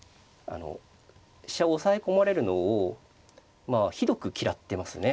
飛車を押さえ込まれるのをひどく嫌ってますね。